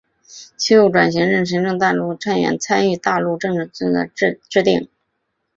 其后转任行政院大陆委员会参与大陆政策研究与制定。